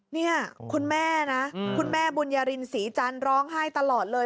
นี่คุณแม่นะคุณแม่บุญญารินศรีจันทร์ร้องไห้ตลอดเลย